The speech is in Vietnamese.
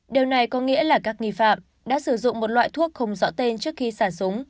điều này có nghĩa là các nghi phạm đã sử dụng một loại thuốc không rõ tên trước khi sản súng